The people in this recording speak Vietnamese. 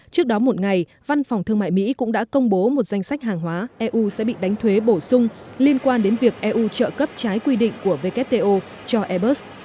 trước đó một ngày văn phòng thương mại mỹ cũng đã công bố một danh sách hàng hóa eu sẽ bị đánh thuế bổ sung liên quan đến việc eu trợ cấp trái quy định của wto cho airbus